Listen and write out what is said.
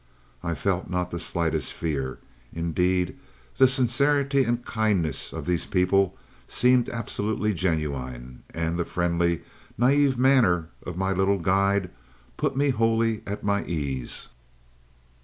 "I felt not the slightest fear. Indeed the sincerity and kindliness of these people seemed absolutely genuine, and the friendly, naïve, manner of my little guide put me wholly at my ease.